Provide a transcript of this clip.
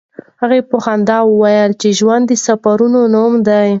هغې په خندا وویل چې ژوند د سفرونو نوم دی.